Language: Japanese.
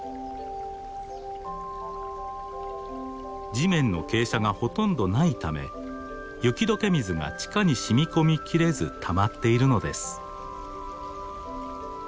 地面の傾斜がほとんどないため雪解け水が地下にしみ込みきれずたまっているのです。